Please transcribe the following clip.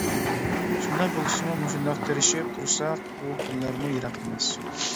شۇنداق بولسىمۇ مۇشۇنداق تىرىشىپ تۇرساق ئۇ كۈنلەرمۇ يىراق ئەمەس.